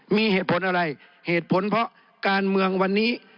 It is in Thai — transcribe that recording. มีเหตุผลอะไรเหตุผลเพราะการเมืองวันนี้